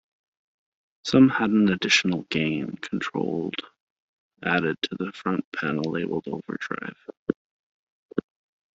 Some had an additional gain control added to the front panel labeled "overdrive".